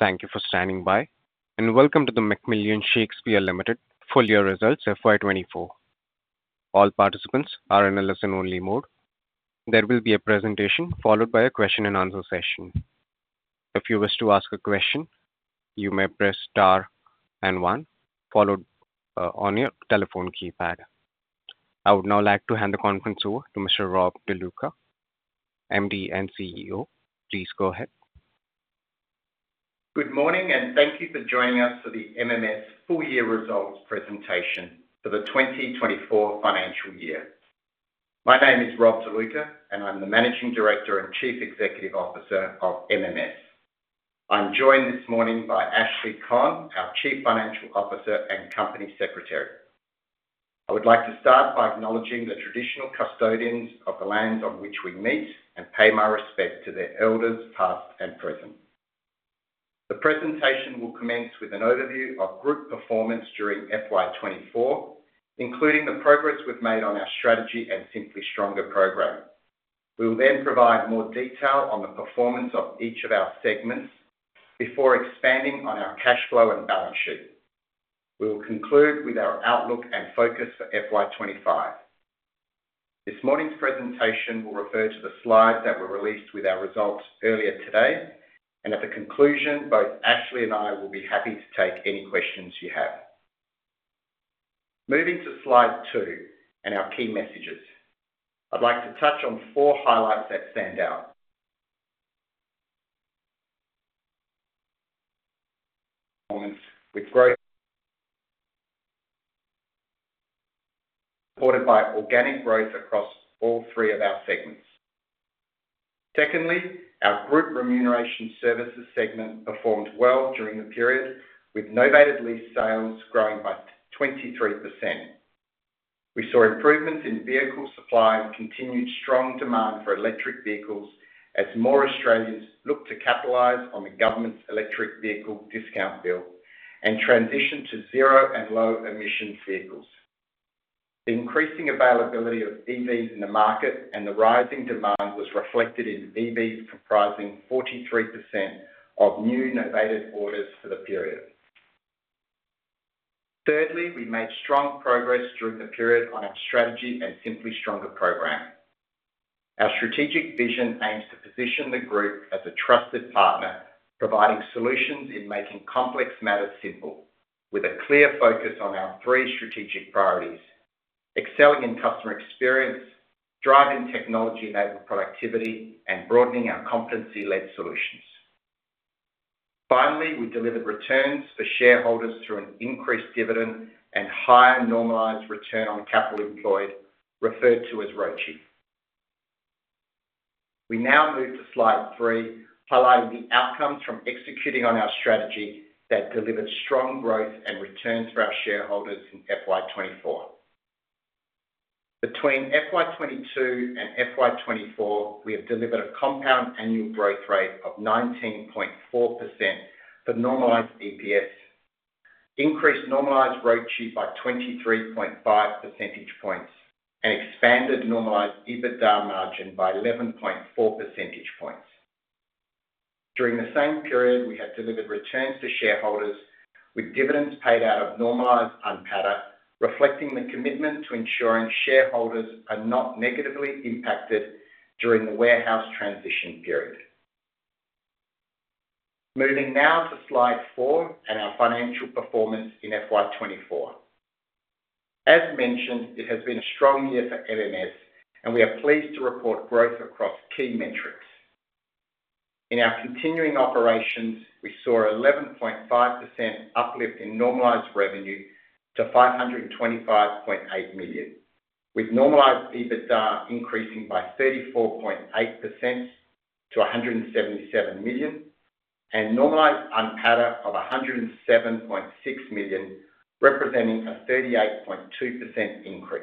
Thank you for standing by, and welcome to the McMillan Shakespeare Limited Full Year Results FY 2024. All participants are in a listen-only mode. There will be a presentation followed by a question and answer session. If you wish to ask a question, you may press star and one, followed by the hash key on your telephone keypad. I would now like to hand the conference over to Mr. Rob De Luca, MD and CEO. Please go ahead. Good morning, and thank you for joining us for the MMS Full Year Results Presentation for the 2024 Financial Year. My name is Rob De Luca, and I'm the Managing Director and Chief Executive Officer of MMS. I'm joined this morning by Ashley Conn, our Chief Financial Officer and Company Secretary. I would like to start by acknowledging the traditional custodians of the lands on which we meet and pay my respect to their elders, past and present. The presentation will commence with an overview of group performance during FY 2024, including the progress we've made on our strategy and Simply Stronger program. We will then provide more detail on the performance of each of our segments before expanding on our cash flow and balance sheet. We will conclude with our outlook and focus for FY 2025. This morning's presentation will refer to the slides that were released with our results earlier today, and at the conclusion, both Ashley and I will be happy to take any questions you have. Moving to slide two and our key messages. I'd like to touch on four highlights that stand out. Performance with growth... Supported by organic growth across all three of our segments. Secondly, our group remuneration services segment performed well during the period, with novated lease sales growing by 23%. We saw improvements in vehicle supply and continued strong demand for electric vehicles as more Australians looked to capitalize on the government's electric vehicle discount bill and transition to zero and low emission vehicles. The increasing availability of EVs in the market and the rising demand was reflected in EVs, comprising 43% of new novated orders for the period. Thirdly, we made strong progress during the period on our strategy and Simply Stronger program. Our strategic vision aims to position the group as a trusted partner, providing solutions in making complex matters simple, with a clear focus on our three strategic priorities: excelling in customer experience, driving technology-enabled productivity, and broadening our competency-led solutions. Finally, we delivered returns for shareholders through an increased dividend and higher normalized return on capital employed, referred to as ROCE. We now move to slide three, highlighting the outcomes from executing on our strategy that delivered strong growth and returns for our shareholders in FY 2024. Between FY 2022 and FY 2024, we have delivered a compound annual growth rate of 19.4% for normalized EPS, increased normalized ROCE by 23.5 percentage points, and expanded normalized EBITDA margin by 11.4 percentage points. During the same period, we have delivered returns to shareholders with dividends paid out of normalized UNPATA, reflecting the commitment to ensuring shareholders are not negatively impacted during the warehouse transition period. Moving now to slide four and our financial performance in FY 2024. As mentioned, it has been a strong year for MMS, and we are pleased to report growth across key metrics. In our continuing operations, we saw an 11.5% uplift in normalized revenue to 525.8 million, with normalized EBITDA increasing by 34.8% to 177 million, and normalized UNPATA of 107.6 million, representing a 38.2% increase.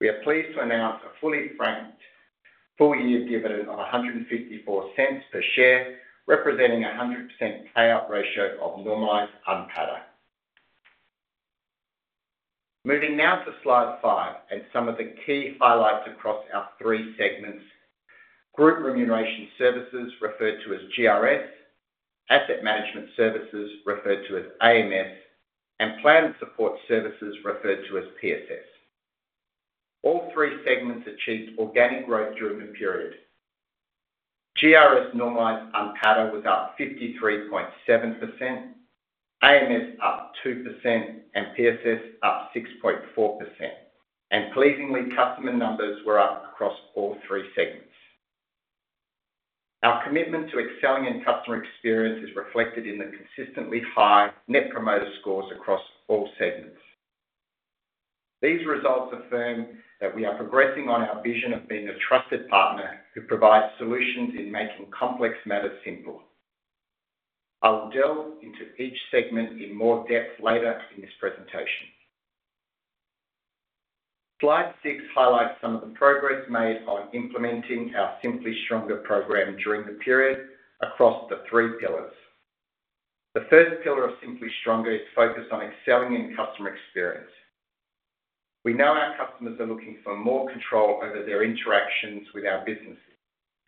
We are pleased to announce a fully franked full-year dividend of 1.54 per share, representing a 100% payout ratio of normalized UNPATA. Moving now to slide five and some of the key highlights across our three segments. Group Remuneration Services, referred to as GRS, Asset Management Services, referred to as AMS, and Plan Support Services, referred to as PSS. All three segments achieved organic growth during the period. GRS normalized UNPATA was up 53.7%, AMS up 2%, and PSS up 6.4%, and pleasingly, customer numbers were up across all three segments. Our commitment to excelling in customer experience is reflected in the consistently high net promoter scores across all segments. These results affirm that we are progressing on our vision of being a trusted partner who provides solutions in making complex matters simple. I'll delve into each segment in more depth later in this presentation. Slide six highlights some of the progress made on implementing our Simply Stronger program during the period across the three pillars. The first pillar of Simply Stronger is focused on excelling in customer experience. We know our customers are looking for more control over their interactions with our business,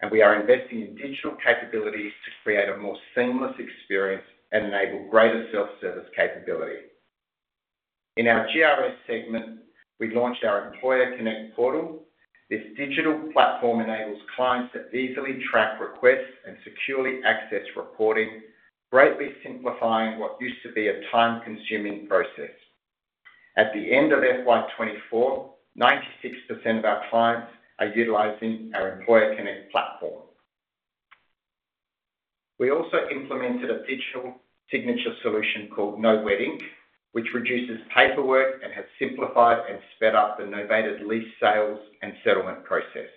and we are investing in digital capabilities to create a more seamless experience and enable greater self-service capability. In our GRS segment, we launched our Employer Connect portal. This digital platform enables clients to easily track requests and securely access reporting, greatly simplifying what used to be a time-consuming process. At the end of FY 2024, 96% of our clients are utilizing our Employer Connect platform. We also implemented a digital signature solution called No Wet Ink, which reduces paperwork and has simplified and sped up the novated lease sales and settlement process.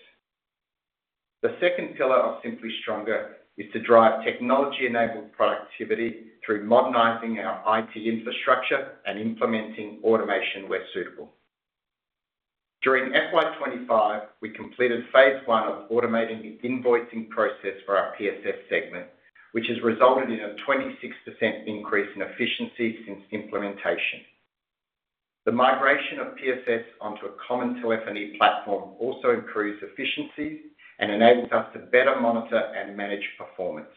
The second pillar of Simply Stronger is to drive technology-enabled productivity through modernizing our IT infrastructure and implementing automation where suitable. During FY 2025, we completed phase 1 of automating the invoicing process for our PSS segment, which has resulted in a 26% increase in efficiency since implementation. The migration of PSS onto a common telephony platform also improves efficiency and enables us to better monitor and manage performance.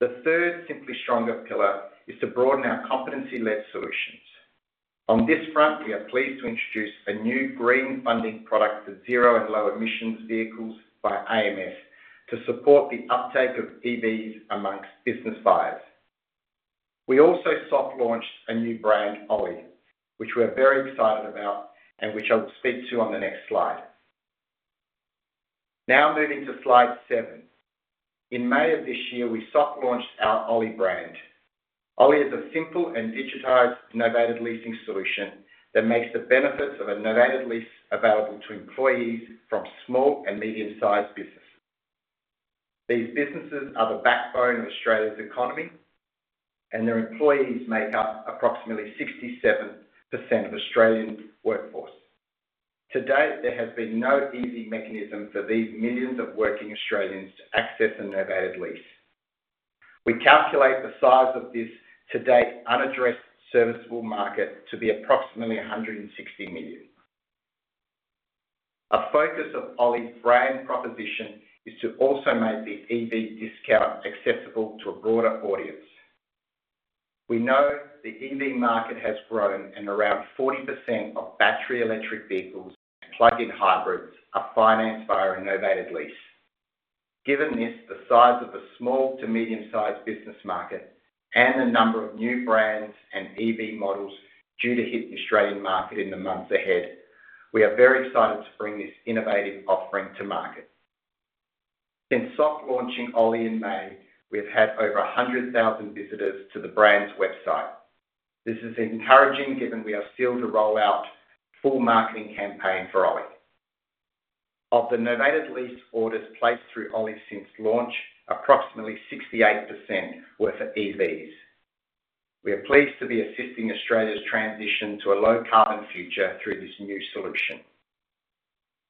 The third Simply Stronger pillar is to broaden our competency-led solutions. On this front, we are pleased to introduce a new green funding product for zero and low emissions vehicles by AMS, to support the uptake of EVs among business buyers. We also soft launched a new brand, Oly, which we're very excited about and which I'll speak to on the next slide. Now moving to slide seven. In May of this year, we soft launched our Oly brand. Oly is a simple and digitized novated leasing solution that makes the benefits of a novated lease available to employees from small and medium-sized businesses. These businesses are the backbone of Australia's economy, and their employees make up approximately 67% of Australian workforce. To date, there has been no easy mechanism for these millions of working Australians to access a novated lease. We calculate the size of this today unaddressed, serviceable market to be approximately 160 million. A focus of Oly's brand proposition is to also make the EV discount accessible to a broader audience. We know the EV market has grown, and around 40% of battery electric vehicles and plug-in hybrids are financed by a novated lease. Given this, the size of the small to medium-sized business market and the number of new brands and EV models due to hit the Australian market in the months ahead, we are very excited to bring this innovative offering to market. Since soft launching Oly in May, we've had over 100,000 visitors to the brand's website. This is encouraging, given we are still to roll out full marketing campaign for Oly. Of the novated lease orders placed through Oly since launch, approximately 68% were for EVs. We are pleased to be assisting Australia's transition to a low-carbon future through this new solution.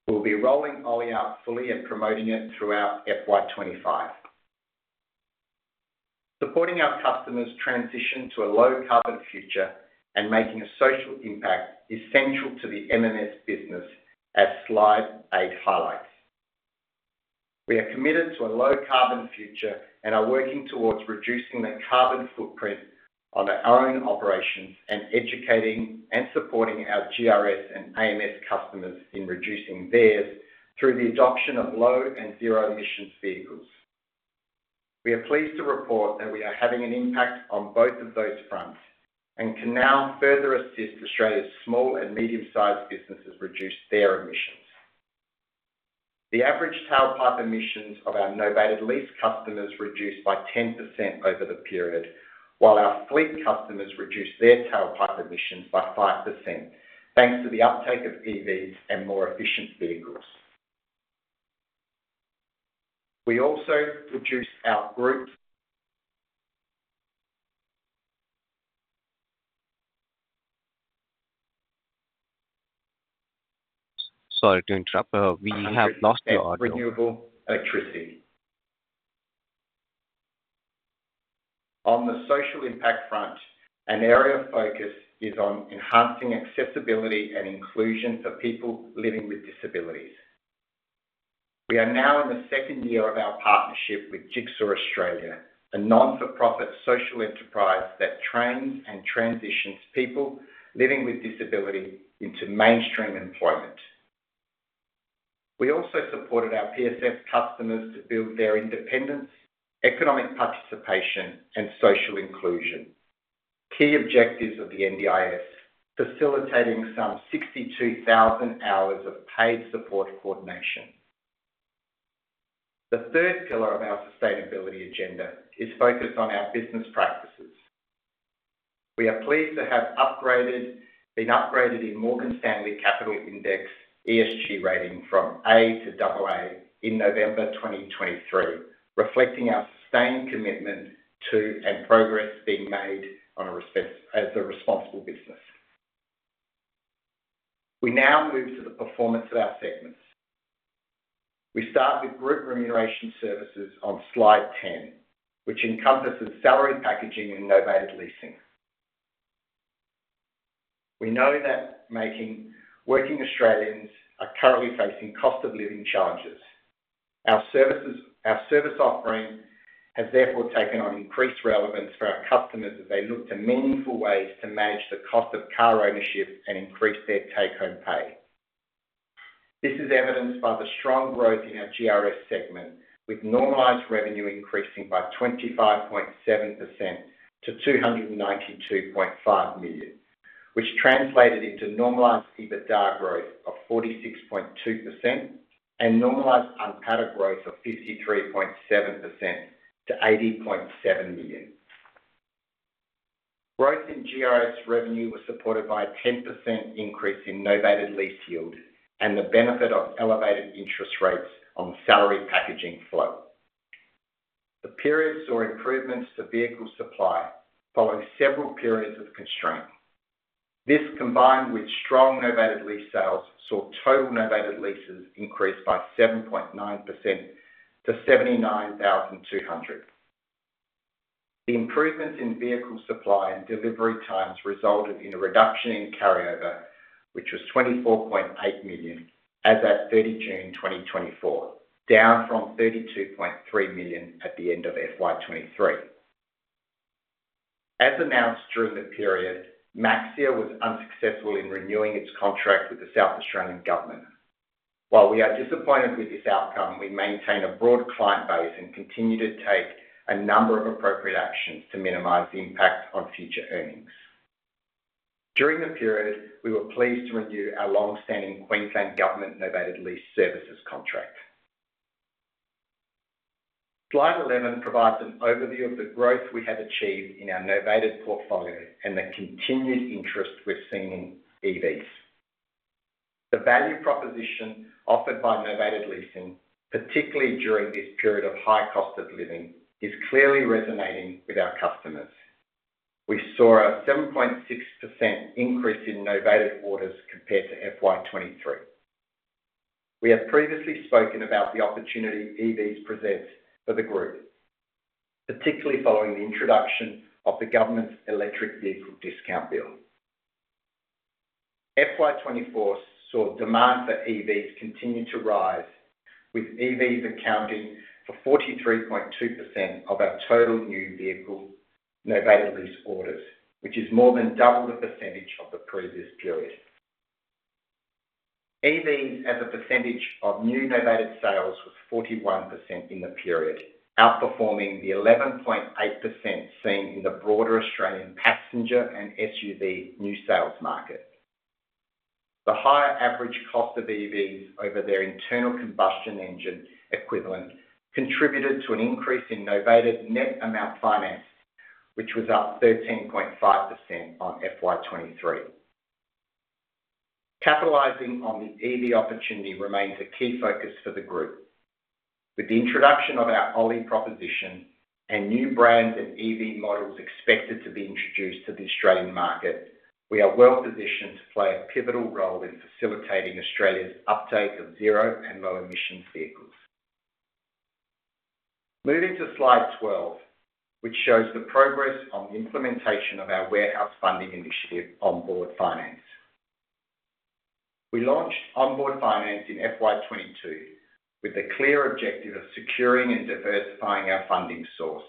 We'll be rolling Oly out fully and promoting it throughout FY 2025. Supporting our customers' transition to a low-carbon future and making a social impact is central to the MMS business, as slide eight highlights. We are committed to a low-carbon future and are working towards reducing the carbon footprint on our own operations, and educating and supporting our GRS and AMS customers in reducing theirs through the adoption of low and zero emissions vehicles. We are pleased to report that we are having an impact on both of those fronts, and can now further assist Australia's small and medium-sized businesses reduce their emissions. The average tailpipe emissions of our novated lease customers reduced by 10% over the period, while our fleet customers reduced their tailpipe emissions by 5%, thanks to the uptake of EVs and more efficient vehicles. We also reduced our group- Sorry to interrupt. We have lost your audio. Renewable electricity. On the social impact front, an area of focus is on enhancing accessibility and inclusion for people living with disabilities. We are now in the second year of our partnership with Jigsaw Australia, a non-profit social enterprise that trains and transitions people living with disability into mainstream employment. We also supported our PSS customers to build their independence, economic participation, and social inclusion, key objectives of the NDIS, facilitating some 62,000 hours of paid support coordination. The third pillar of our sustainability agenda is focused on our business practices. We are pleased to have been upgraded in MSCI ESG rating from A to AA in November 2023, reflecting our sustained commitment to, and progress being made on as a responsible business. We now move to the performance of our segments.... We start with group remuneration services on slide 10, which encompasses salary packaging and novated leasing. We know that working Australians are currently facing cost of living challenges. Our service offering has therefore taken on increased relevance for our customers as they look to meaningful ways to manage the cost of car ownership and increase their take-home pay. This is evidenced by the strong growth in our GRS segment, with normalized revenue increasing by 25.7% to 292.5 million, which translated into normalized EBITDA growth of 46.2% and normalized UNPATA growth of 53.7% to AUD 80.7 million. Growth in GRS revenue was supported by a 10% increase in novated lease yield and the benefit of elevated interest rates on salary packaging flow. The period saw improvements to vehicle supply following several periods of constraint. This, combined with strong novated lease sales, saw total novated leases increase by 7.9% to 79,200. The improvements in vehicle supply and delivery times resulted in a reduction in carryover, which was 24.8 million as at 30 June 2024, down from 32.3 million at the end of FY 2023. As announced during the period, Maxxia was unsuccessful in renewing its contract with the South Australian Government. While we are disappointed with this outcome, we maintain a broad client base and continue to take a number of appropriate actions to minimize the impact on future earnings. During the period, we were pleased to renew our long-standing Queensland Government Novated Lease Services contract. Slide 11 provides an overview of the growth we have achieved in our novated portfolio and the continued interest we're seeing in EVs. The value proposition offered by novated leasing, particularly during this period of high cost of living, is clearly resonating with our customers. We saw a 7.6% increase in novated orders compared to FY 2023. We have previously spoken about the opportunity EVs present for the group, particularly following the introduction of the government's electric vehicle discount bill. FY 2024 saw demand for EVs continue to rise, with EVs accounting for 43.2% of our total new vehicle novated lease orders, which is more than double the percentage of the previous period. EVs, as a percentage of new novated sales, was 41% in the period, outperforming the 11.8% seen in the broader Australian passenger and SUV new sales market. The higher average cost of EVs over their internal combustion engine equivalent contributed to an increase in novated net amount financed, which was up 13.5% on FY 2023. Capitalizing on the EV opportunity remains a key focus for the group. With the introduction of our Oly proposition and new brands and EV models expected to be introduced to the Australian market, we are well positioned to play a pivotal role in facilitating Australia's uptake of zero and low emission vehicles. Moving to Slide 12, which shows the progress on the implementation of our warehouse funding initiative, Onboard Finance. We launched Onboard Finance in FY 2022 with the clear objective of securing and diversifying our funding source,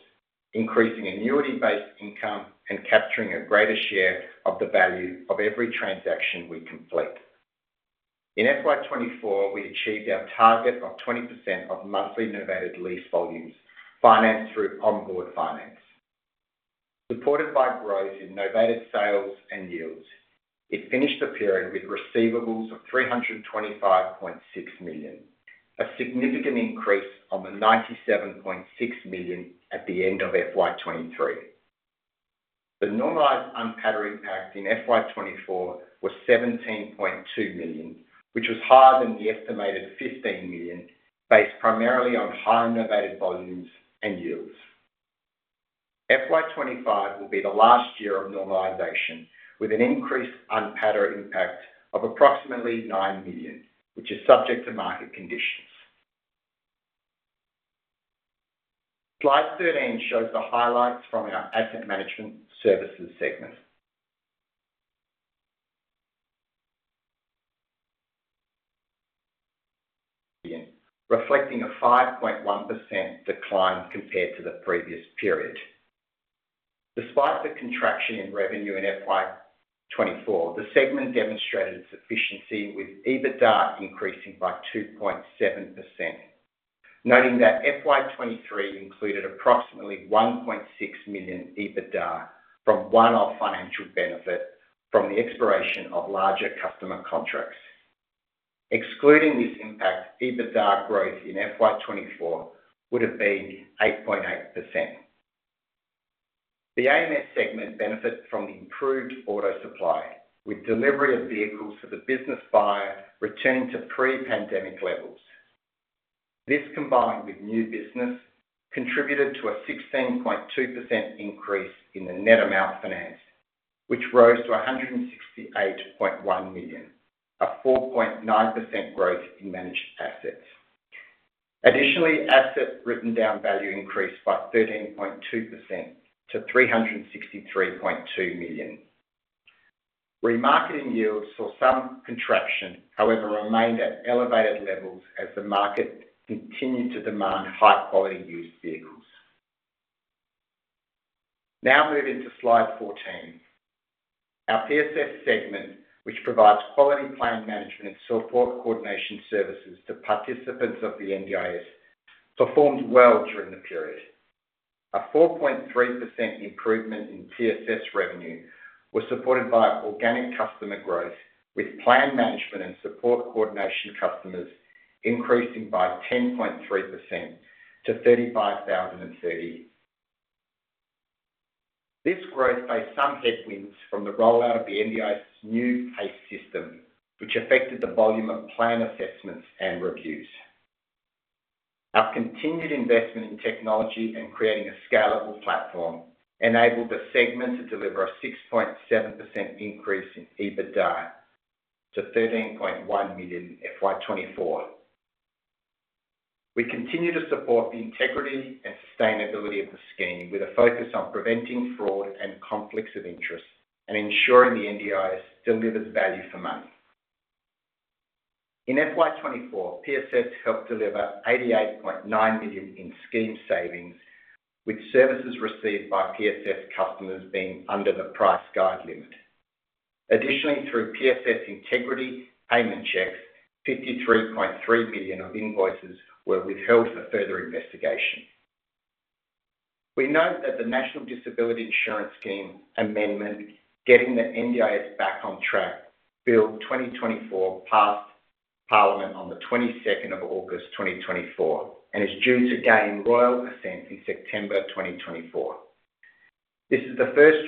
increasing annuity-based income, and capturing a greater share of the value of every transaction we complete. In FY 2024, we achieved our target of 20% of monthly novated lease volumes, financed through Onboard Finance. Supported by growth in novated sales and yields, it finished the period with receivables of 325.6 million, a significant increase on the 97.6 million at the end of FY 2023. The normalized UNPATA impact in FY 2024 was 17.2 million, which was higher than the estimated 15 million, based primarily on higher novated volumes and yields. FY 2025 will be the last year of normalization, with an increased UNPATA impact of approximately 9 million, which is subject to market conditions. Slide 13 shows the highlights from our Asset Management Services segment, reflecting a 5.1% decline compared to the previous period. Despite the contraction in revenue in FY 2024, the segment demonstrated sufficiency, with EBITDA increasing by 2.7%. Noting that FY 2023 included approximately 1.6 million EBITDA from one-off financial benefit from the expiration of larger customer contracts. Excluding this impact, EBITDA growth in FY 2024 would have been 8.8%. The AMS segment benefits from the improved auto supply, with delivery of vehicles to the business buyer returning to pre-pandemic levels. This, combined with new business, contributed to a 16.2% increase in the net amount financed... which rose to 168.1 million, a 4.9% growth in managed assets. Additionally, asset Written Down Value increased by 13.2% to 363.2 million. Remarketing yields saw some contraction, however, remained at elevated levels as the market continued to demand high-quality used vehicles. Now moving to slide 14. Our PSS segment, which provides quality plan management and support coordination services to participants of the NDIS, performed well during the period. A 4.3% improvement in PSS revenue was supported by organic customer growth, with plan management and support coordination customers increasing by 10.3% to 35,030. This growth faced some headwinds from the rollout of the NDIS's new PACE system, which affected the volume of plan assessments and reviews. Our continued investment in technology and creating a scalable platform enabled the segment to deliver a 6.7% increase in EBITDA to 13.1 million in FY 2024. We continue to support the integrity and sustainability of the scheme, with a focus on preventing fraud and conflicts of interest and ensuring the NDIS delivers value for money. In FY 2024, PSS helped deliver 88.9 million in scheme savings, with services received by PSS customers being under the price guide limit. Additionally, through PSS integrity payment checks, 53.3 million of invoices were withheld for further investigation. We note that the National Disability Insurance Scheme Amendment, Getting the NDIS Back on Track No. 1 Bill 2024, passed Parliament on the 22nd of August, 2024, and is due to gain royal assent in September 2024. This is the first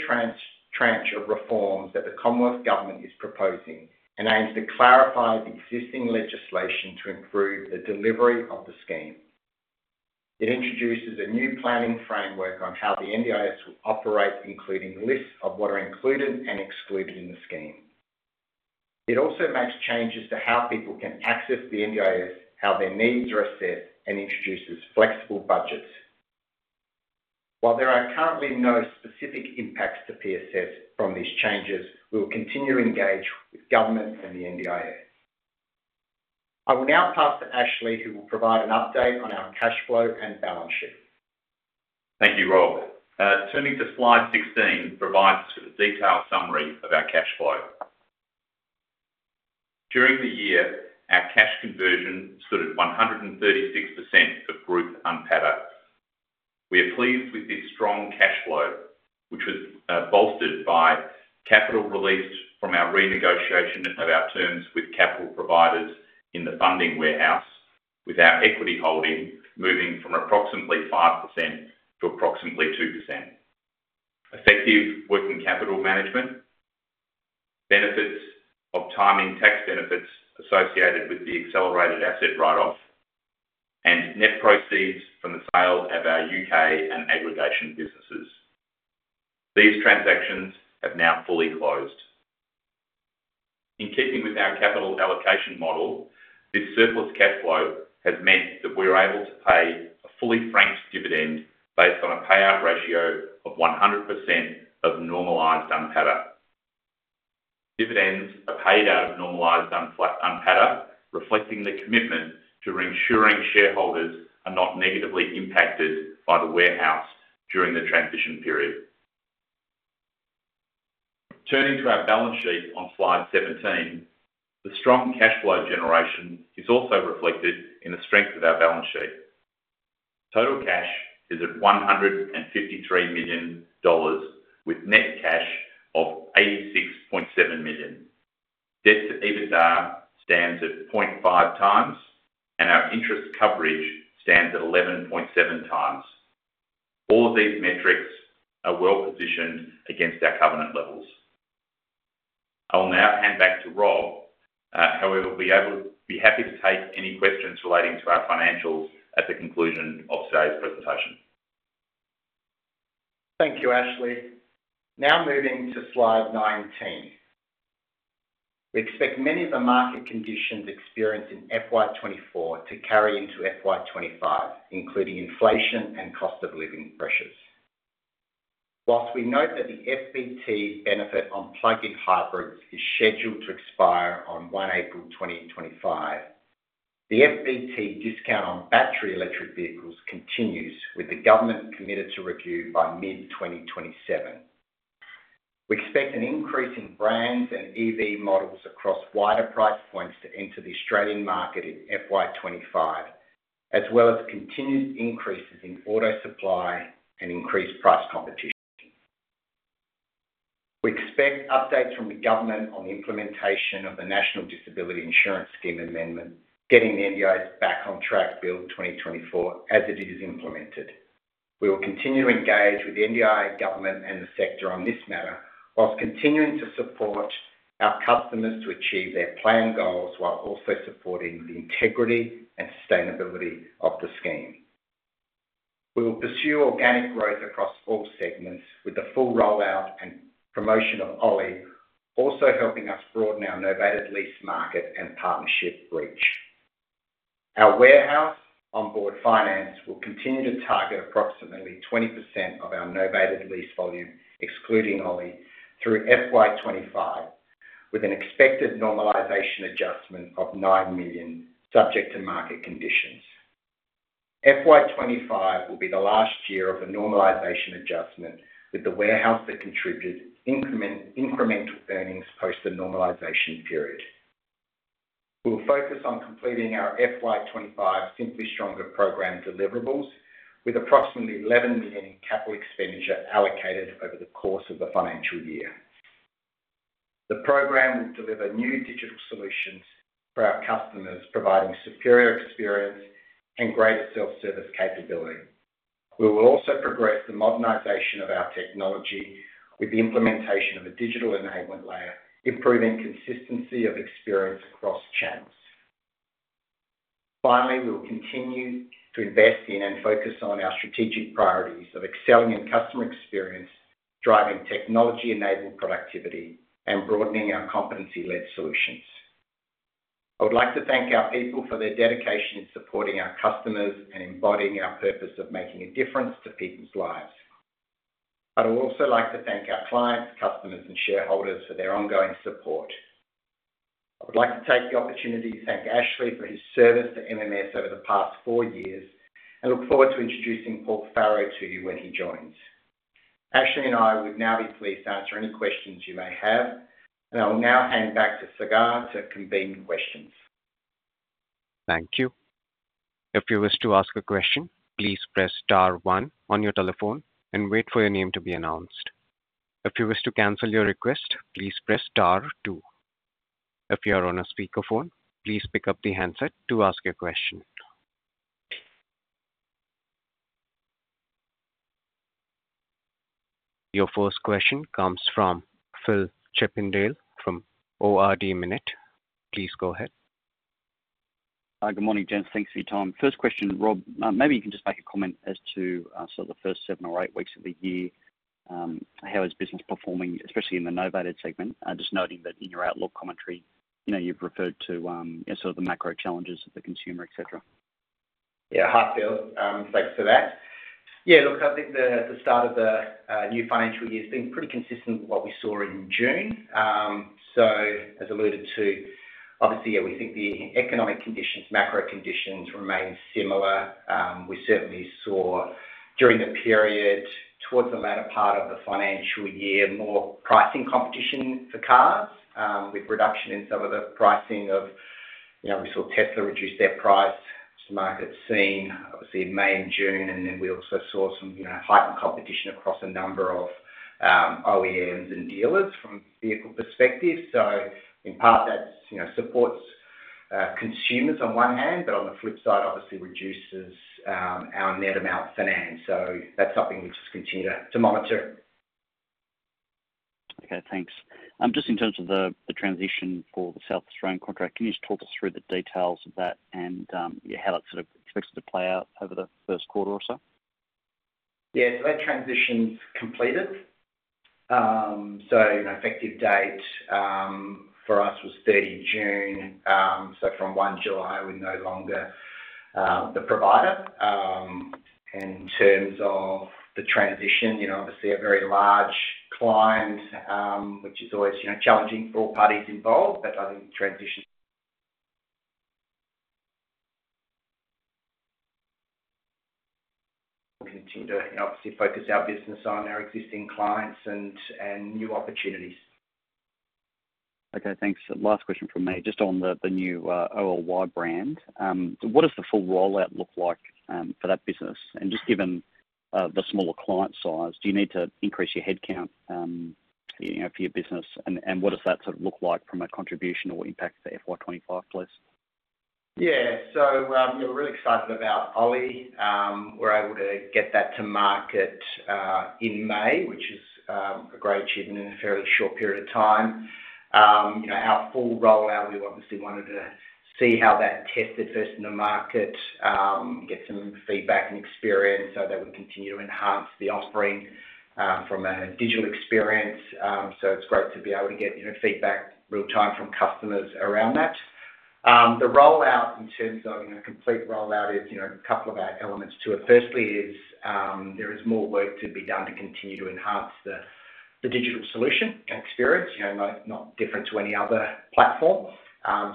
tranche of reforms that the Commonwealth Government is proposing and aims to clarify the existing legislation to improve the delivery of the scheme. It introduces a new planning framework on how the NDIS will operate, including lists of what are included and excluded in the scheme. It also makes changes to how people can access the NDIS, how their needs are assessed, and introduces flexible budgets. While there are currently no specific impacts to PSS from these changes, we will continue to engage with government and the NDIA. I will now pass to Ashley, who will provide an update on our cash flow and balance sheet. Thank you, Rob. Turning to slide 16, provides the detailed summary of our cash flow. During the year, our cash conversion stood at 136% of group UNPATA. We are pleased with this strong cash flow, which was bolstered by capital released from our renegotiation of our terms with capital providers in the funding warehouse, with our equity holding moving from approximately 5% to approximately 2%. Effective working capital management, benefits of timing tax benefits associated with the accelerated asset write-off, and net proceeds from the sale of our U.K. and Australian businesses. These transactions have now fully closed. In keeping with our capital allocation model, this surplus cash flow has meant that we're able to pay a fully franked dividend based on a payout ratio of 100% of normalized UNPATA. Dividends are paid out of normalized UNPATA, reflecting the commitment to ensuring shareholders are not negatively impacted by the warehouse during the transition period. Turning to our balance sheet on slide 17. The strong cash flow generation is also reflected in the strength of our balance sheet. Total cash is at 153 million dollars, with net cash of 86.7 million. Debt to EBITDA stands at 0.5 times, and our interest coverage stands at 11.7 times. All of these metrics are well positioned against our covenant levels. I will now hand back to Rob. However, I'll be happy to take any questions relating to our financials at the conclusion of today's presentation. Thank you, Ashley. Now moving to slide 19. We expect many of the market conditions experienced in FY 2024 to carry into FY 2025, including inflation and cost of living pressures. While we note that the FBT benefit on plug-in hybrids is scheduled to expire on 1 April 2025, the FBT discount on battery electric vehicles continues, with the government committed to review by mid-2027. We expect an increase in brands and EV models across wider price points to enter the Australian market in FY 2025, as well as continued increases in auto supply and increased price competition. We expect updates from the government on the implementation of the National Disability Insurance Scheme Amendment, Getting the NDIS Back on Track, Bill 2024, as it is implemented. We will continue to engage with the NDIA government and the sector on this matter, while continuing to support our customers to achieve their plan goals, while also supporting the integrity and sustainability of the scheme. We will pursue organic growth across all segments, with the full rollout and promotion of Oly also helping us broaden our novated lease market and partnership reach. Our warehouse Onboard Finance will continue to target approximately 20% of our novated lease volume, excluding Oly, through FY 2025, with an expected normalization adjustment of 9 million, subject to market conditions. FY 2025 will be the last year of the normalization adjustment, with the warehouse that contributed incremental earnings post the normalization period. We'll focus on completing our FY 2025 Simply Stronger program deliverables, with approximately 11 million capital expenditure allocated over the course of the financial year. The program will deliver new digital solutions for our customers, providing superior experience and greater self-service capability. We will also progress the modernization of our technology with the implementation of a digital enablement layer, improving consistency of experience across channels. Finally, we will continue to invest in and focus on our strategic priorities of excelling in customer experience, driving technology-enabled productivity, and broadening our competency-led solutions. I would like to thank our people for their dedication in supporting our customers and embodying our purpose of making a difference to people's lives. I'd also like to thank our clients, customers, and shareholders for their ongoing support. I would like to take the opportunity to thank Ashley for his service to MMS over the past four years, and look forward to introducing Paul Varro to you when he joins. Ashley and I would now be pleased to answer any questions you may have, and I will now hand back to Sagar to convene questions. Thank you. If you wish to ask a question, please press star one on your telephone and wait for your name to be announced. If you wish to cancel your request, please press star two. If you are on a speakerphone, please pick up the handset to ask your question. Your first question comes from Phil Chippindale from Ord Minnett. Please go ahead. Hi. Good morning, gents. Thanks for your time. First question, Rob, maybe you can just make a comment as to, sort of the first seven or eight weeks of the year. How is business performing, especially in the novated segment? Just noting that in your outlook commentary, you know, you've referred to, you know, sort of the macro challenges of the consumer, et cetera. Yeah. Hi, Phil. Thanks for that. Yeah, look, I think the start of the new financial year has been pretty consistent with what we saw in June. So as alluded to, obviously, yeah, we think the economic conditions, macro conditions remain similar. We certainly saw during the period, towards the latter part of the financial year, more pricing competition for cars, with reduction in some of the pricing of... You know, we saw Tesla reduce their price to market seen, obviously, in May and June, and then we also saw some, you know, heightened competition across a number of OEMs and dealers from a vehicle perspective. So in part, that's, you know, supports consumers on one hand, but on the flip side, obviously reduces our net amount financed. So that's something we just continue to monitor. Okay, thanks. Just in terms of the transition for the South Australian contract, can you just talk us through the details of that and, yeah, how that sort of expects it to play out over the first quarter or so? Yeah. So that transition's completed. So, you know, effective date for us was 30 June. So from 1 July, we're no longer the provider. In terms of the transition, you know, obviously a very large client, which is always, you know, challenging for all parties involved, but I think the transition. We'll continue to, you know, obviously focus our business on our existing clients and new opportunities. Okay, thanks. Last question from me, just on the new Oly brand. What does the full rollout look like for that business? And just given the smaller client size, do you need to increase your headcount, you know, for your business? And what does that sort of look like from a contribution or impact to the FY 2025, please? Yeah. So, we're really excited about Oly. We're able to get that to market in May, which is a great achievement in a fairly short period of time. You know, our full rollout, we obviously wanted to see how that tested first in the market, get some feedback and experience so that we continue to enhance the offering from a digital experience. So it's great to be able to get, you know, feedback real time from customers around that. The rollout, in terms of, you know, complete rollout is, you know, a couple of our elements to it. Firstly is there is more work to be done to continue to enhance the digital solution and experience, you know, no, not different to any other platform.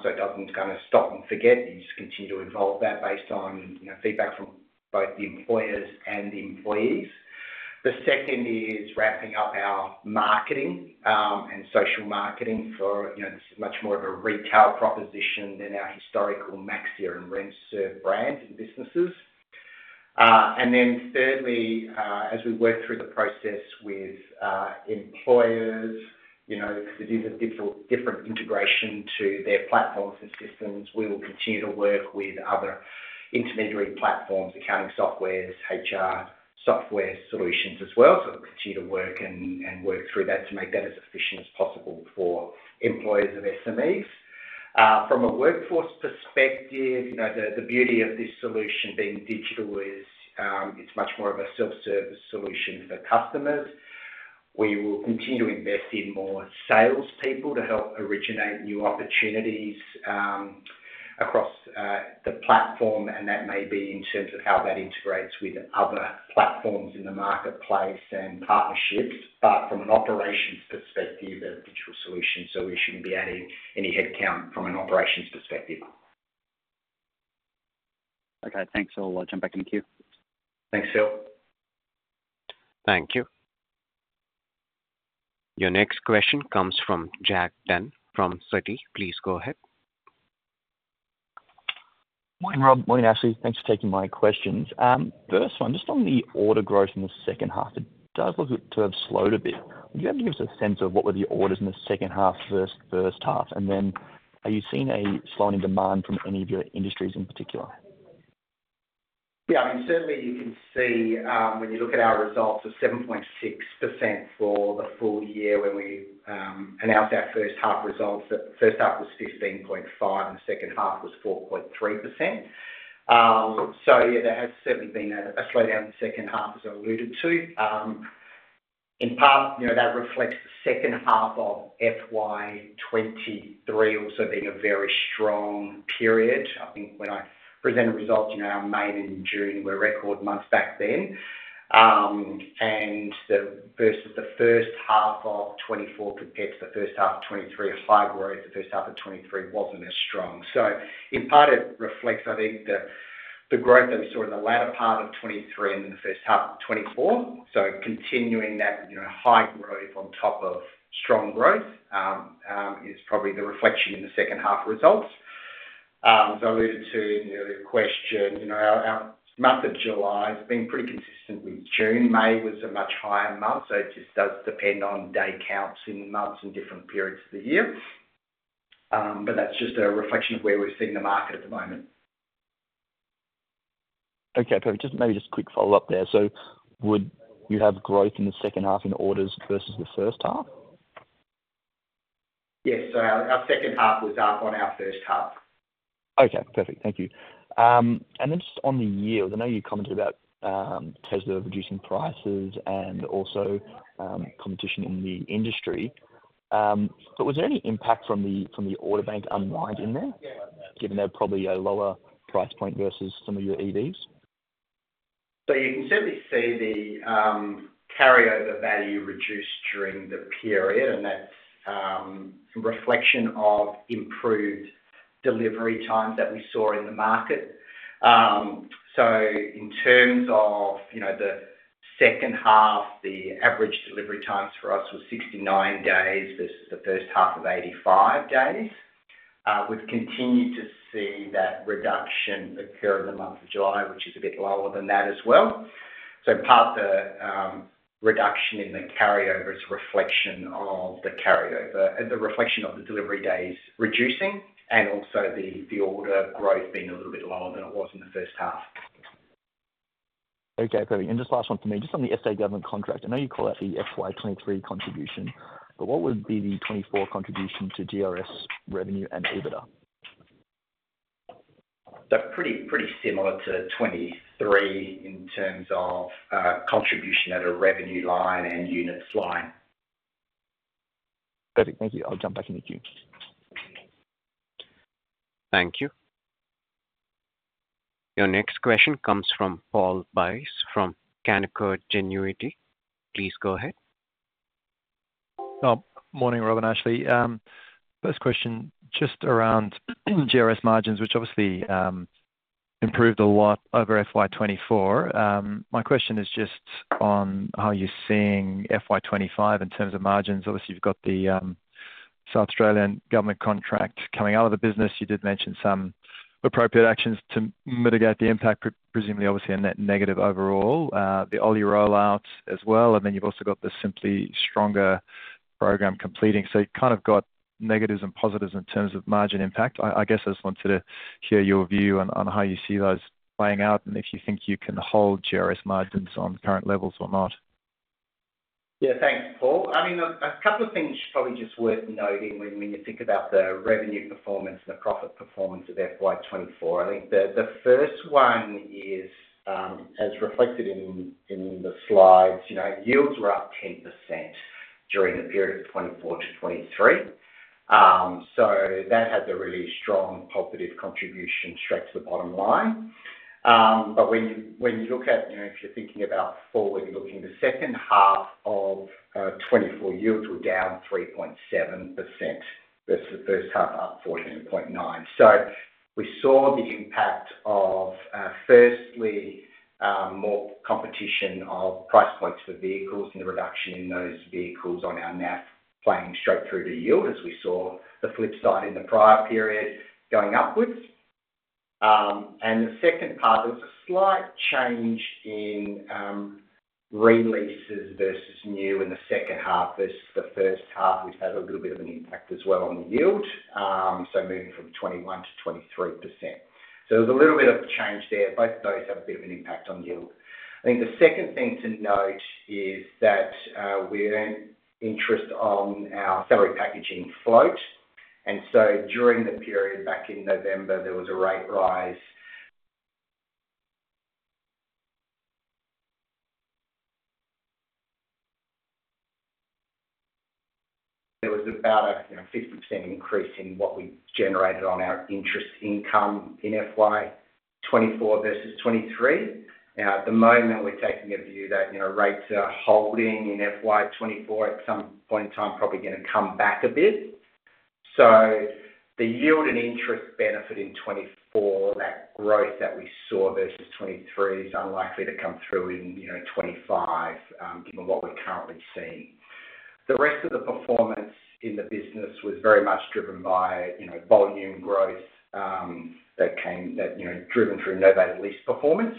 So it doesn't kind of stop and forget. You just continue to evolve that based on, you know, feedback from both the employers and the employees. The second is wrapping up our marketing and social marketing for, you know, this is much more of a retail proposition than our historical Maxxia and RemServ brands and businesses, and then thirdly, as we work through the process with employers, you know, because it is a different integration to their platforms and systems, we will continue to work with other intermediary platforms, accounting softwares, HR software solutions as well, so we'll continue to work and work through that to make that as efficient as possible for employers and SMEs. From a workforce perspective, you know, the beauty of this solution being digital is, it's much more of a self-service solution for customers. We will continue to invest in more salespeople to help originate new opportunities across the platform, and that may be in terms of how that integrates with other platforms in the marketplace and partnerships. But from an operations perspective, a digital solution, so we shouldn't be adding any headcount from an operations perspective. Okay, thanks. I'll jump back in the queue. Thanks, Phil. Thank you. Your next question comes from Jack Dunn from Citi. Please go ahead. Morning, Rob. Morning, Ashley. Thanks for taking my questions. First one, just on the order growth in the second half, it does look to have slowed a bit. Would you be able to give us a sense of what were the orders in the second half versus first half? And then, are you seeing a slowing in demand from any of your industries in particular? Yeah, I mean, certainly you can see, when you look at our results of 7.6% for the full year, when we announced our first half results, that first half was 15.5%, and the second half was 4.3%. So yeah, there has certainly been a slowdown in the second half, as I alluded to. In part, you know, that reflects the second half of FY 2023 also being a very strong period. I think when I presented results, you know, our May and June were record months back then. And the first half of 2024 compared to the first half of 2023, a high growth, the first half of 2023 wasn't as strong. So in part, it reflects, I think, the growth that we saw in the latter part of 2023 and in the first half of 2024. Continuing that, you know, high growth on top of strong growth is probably the reflection in the second half results. As I alluded to in the earlier question, you know, our month of July has been pretty consistent with June. May was a much higher month, so it just does depend on day counts in months and different periods of the year, but that's just a reflection of where we're seeing the market at the moment. Okay, perfect. Just maybe a quick follow-up there. So would you have growth in the second half in orders versus the first half? Yes. So our second half was up on our first half. Okay, perfect. Thank you. And then just on the yield, I know you commented about Tesla reducing prices and also competition in the industry. But was there any impact from the Order Bank unwind in there, given they're probably a lower price point versus some of your EVs? So you can certainly see the carryover value reduced during the period, and that's a reflection of improved delivery times that we saw in the market. So in terms of, you know, the second half, the average delivery times for us was 69 days versus the first half of 85 days. We've continued to see that reduction occur in the month of July, which is a bit lower than that as well. So in part, the reduction in the carryover is a reflection of the carryover and the reflection of the delivery days reducing and also the order growth being a little bit lower than it was in the first half. Okay, perfect. And just last one for me, just on the SA Government contract, I know you call that the FY 2023 contribution, but what would be the 2024 contribution to GRS revenue and EBITDA? So pretty, pretty similar to 2023 in terms of, contribution at a revenue line and units line. Perfect. Thank you. I'll jump back in the queue. Thank you. Your next question comes from Paul Buys from Canaccord Genuity. Please go ahead. Morning, Rob and Ashley. First question, just around GRS margins, which obviously improved a lot over FY 2024. My question is just on how you're seeing FY 2025 in terms of margins. Obviously, you've got the South Australian Government contract coming out of the business. You did mention some appropriate actions to mitigate the impact, presumably, obviously, a net negative overall, the Oly rollout as well, and then you've also got the Simply Stronger program completing. So you've kind of got negatives and positives in terms of margin impact. I guess I just wanted to hear your view on how you see those playing out and if you think you can hold GRS margins on current levels or not. Yeah. Thanks, Paul. I mean, a couple of things probably just worth noting when you think about the revenue performance and the profit performance of FY 2024. I think the first one is, as reflected in the slides, you know, yields were up 10% during the period of 2024 to 2023. So that had a really strong positive contribution straight to the bottom line. But when you look at, you know, if you're thinking about forward, you're looking in the second half of 2024 yields were down 3.7%. That's the first half, up 14.9%. So we saw the impact of, firstly, more competition of price points for vehicles and the reduction in those vehicles on our NAF playing straight through to yield, as we saw the flip side in the prior period going upwards. And the second part, there was a slight change in, re-leases versus new in the second half versus the first half, which had a little bit of an impact as well on the yield. So moving from 21% to 23%.... So there was a little bit of change there. Both of those have a bit of an impact on yield. I think the second thing to note is that, we earn interest on our salary packaging float, and so during the period back in November, there was a rate rise. There was about a 50% increase in what we generated on our interest income in FY 2024 versus 2023. Now, at the moment, we're taking a view that, you know, rates are holding in FY 2024, at some point in time, probably gonna come back a bit. So the yield and interest benefit in 2024, that growth that we saw versus 2023 is unlikely to come through in, you know, 2025, given what we're currently seeing. The rest of the performance in the business was very much driven by, you know, volume growth, that, you know, driven through novated lease performance.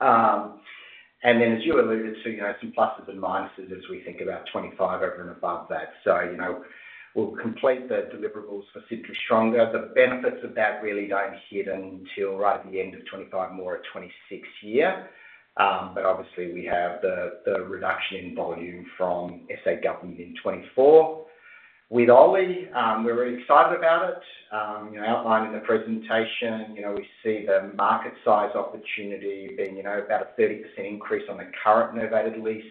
And then, as you alluded to, you know, some pluses and minuses as we think about 2025 over and above that. So, you know, we'll complete the deliverables for Simply Stronger. The benefits of that really don't hit until right at the end of 2025, more at 2026. But obviously we have the reduction in volume from SA government in 2024. With Oly, we're very excited about it. You know, outlined in the presentation, you know, we see the market size opportunity being, you know, about a 30% increase on the current novated lease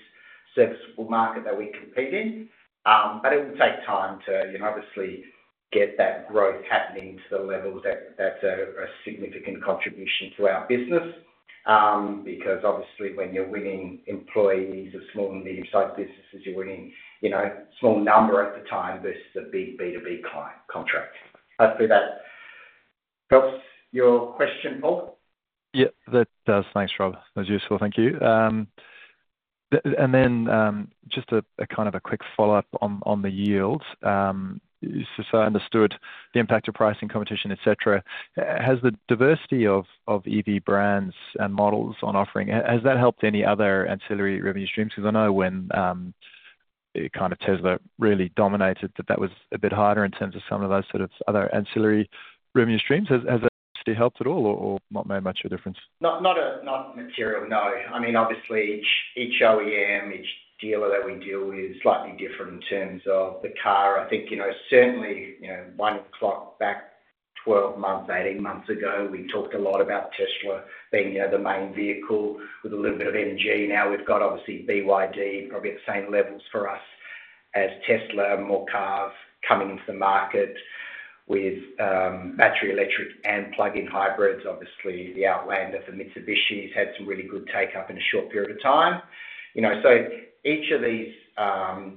serviceable market that we compete in. But it will take time to, you know, obviously get that growth happening to the levels that are a significant contribution to our business. Because, obviously, when you're winning employees of small and medium-sized businesses, you're winning, you know, small number at the time versus a big B2B client contract. Hopefully, that helps your question, Paul? Yeah, that does. Thanks, Rob. That's useful. Thank you. And then, just a kind of a quick follow-up on the yields. So I understood the impact of pricing, competition, et cetera. Has the diversity of EV brands and models on offering helped any other ancillary revenue streams? Because I know when kind of Tesla really dominated, that was a bit harder in terms of some of those sort of other ancillary revenue streams. Has that helped at all or not made much of a difference? Not a material, no. I mean, obviously each OEM, each dealer that we deal with, is slightly different in terms of the car. I think, you know, certainly, you know, wind the clock back 12 months, 18 months ago, we talked a lot about Tesla being, you know, the main vehicle with a little bit of MG. Now, we've got obviously BYD, probably at the same levels for us as Tesla. More cars coming into the market with battery electric and plug-in hybrids. Obviously, the Outlander, the Mitsubishi's had some really good take-up in a short period of time. You know, so each of these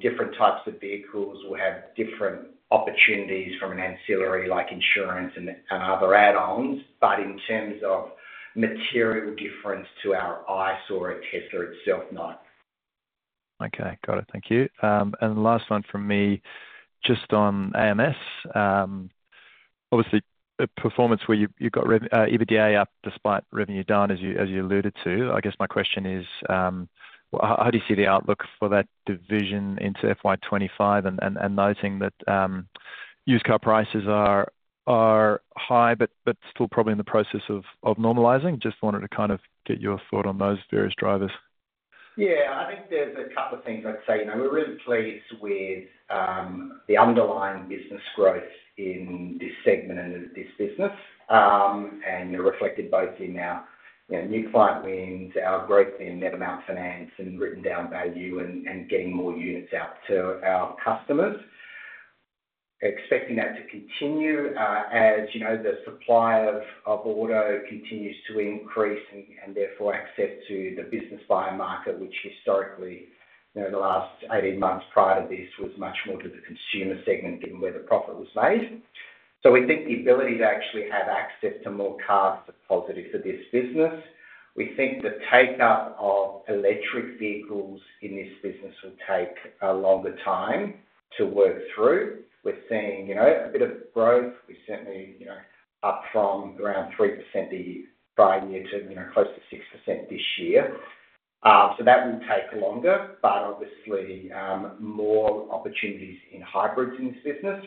different types of vehicles will have different opportunities from an ancillary, like insurance and other add-ons. But in terms of material difference to our ICE, or at Tesla itself, no. Okay, got it. Thank you, and the last one from me, just on AMS. Obviously, a performance where you got EBITDA up, despite revenue down, as you alluded to. I guess my question is, how do you see the outlook for that division into FY 2025 and noting that used car prices are high, but still probably in the process of normalizing? Just wanted to kind of get your thought on those various drivers. Yeah, I think there's a couple of things I'd say. You know, we're really pleased with the underlying business growth in this segment and this business, and reflected both in our, you know, new client wins, our growth in net amount financed and written down value, and getting more units out to our customers. Expecting that to continue, as you know, the supply of auto continues to increase and therefore access to the business buyer market, which historically, you know, the last 18 months prior to this, was much more to the consumer segment, given where the profit was made. So we think the ability to actually have access to more cars is positive for this business. We think the take-up of electric vehicles in this business will take a longer time to work through. We're seeing, you know, a bit of growth. We're certainly, you know, up from around 3% the prior year to, you know, close to 6% this year. So that will take longer, but obviously, more opportunities in hybrids in this business.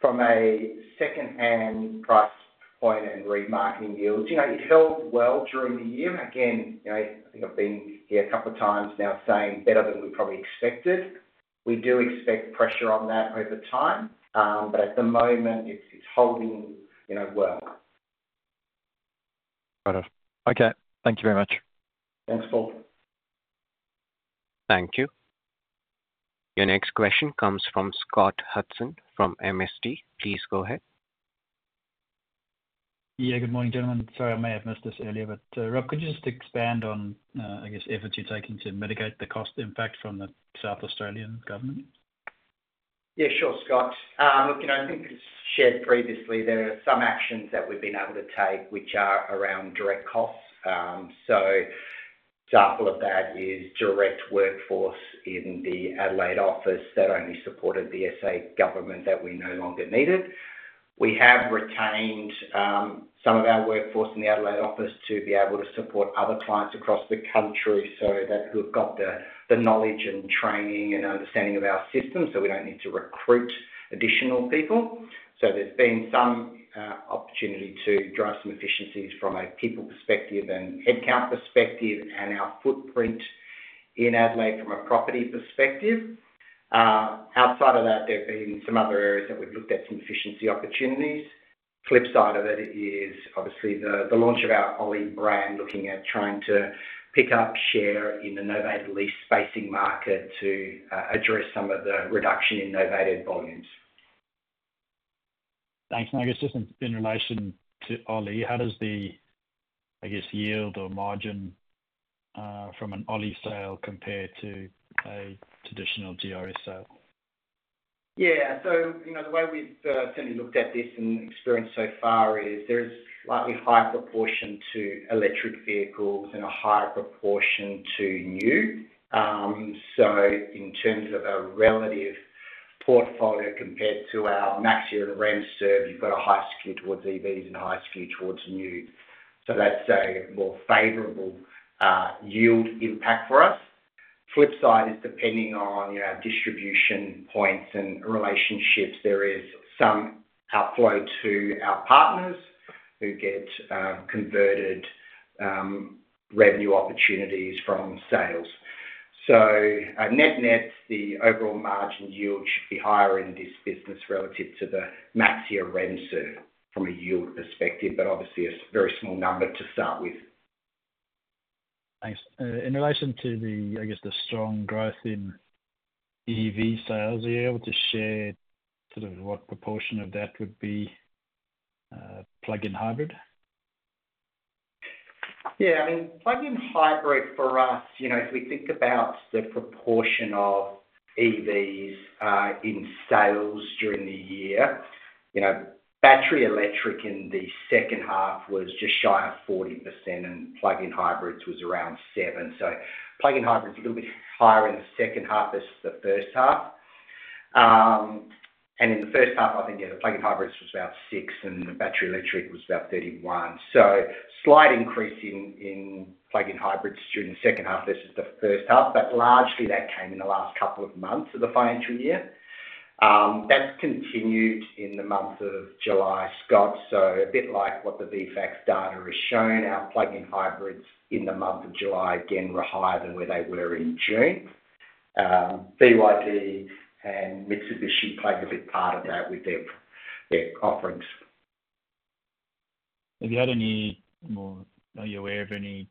From a secondhand price point and remarketing yields, you know, it held well during the year. Again, you know, I think I've been here a couple of times now saying better than we probably expected. We do expect pressure on that over time, but at the moment, it's holding, you know, well. Got it. Okay. Thank you very much. Thanks, Paul. Thank you. Your next question comes from Scott Hudson, from MST. Please go ahead. Yeah, good morning, gentlemen. Sorry, I may have missed this earlier, but, Rob, could you just expand on, I guess, efforts you're taking to mitigate the cost impact from the South Australian Government? Yeah, sure, Scott. Look, you know, I think it's shared previously, there are some actions that we've been able to take which are around direct costs. So example of that is direct workforce in the Adelaide office that only supported the SA government that we no longer needed. We have retained some of our workforce in the Adelaide office to be able to support other clients across the country, so that who have got the knowledge and training and understanding of our systems, so we don't need to recruit additional people. So there's been some opportunity to drive some efficiencies from a people perspective and headcount perspective, and our footprint in Adelaide from a property perspective. Outside of that, there have been some other areas that we've looked at some efficiency opportunities. Flip side of it is obviously the launch of our Oly brand, looking at trying to pick up share in the novated leasing market to address some of the reduction in novated volumes. Thanks. And I guess just in relation to Oly, how does the, I guess, yield or margin from an Oly sale compare to a traditional GRS sale? Yeah. So, you know, the way we've certainly looked at this and experienced so far is there's slightly higher proportion to electric vehicles and a higher proportion to new. So in terms of a relative portfolio, compared to our Maxxia and RemServ, you've got a high skew towards EVs and a high skew towards new. So that's a more favorable yield impact for us. Flip side is depending on, you know, our distribution points and relationships, there is some outflow to our partners who get converted revenue opportunities from sales. So at net-net, the overall margin yield should be higher in this business relative to the Maxxia RemServ from a yield perspective, but obviously a very small number to start with. Thanks. In relation to the, I guess, the strong growth in EV sales, are you able to share sort of what proportion of that would be, plug-in hybrid? Yeah, I mean, plug-in hybrid for us, you know, if we think about the proportion of EVs in sales during the year, you know, battery electric in the second half was just shy of 40%, and plug-in hybrids was around 7%. So plug-in hybrid is a little bit higher in the second half versus the first half. And in the first half, I think, yeah, the plug-in hybrids was about 6%, and the battery electric was about 31%. So slight increase in plug-in hybrids during the second half versus the first half, but largely that came in the last couple of months of the financial year. That's continued in the month of July, Scott, so a bit like what the VFACTS data is showing, our plug-in hybrids in the month of July, again, were higher than where they were in June. BYD and Mitsubishi played a big part of that with their offerings. Are you aware of any